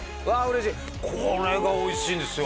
嬉しいこれがおいしいんですよ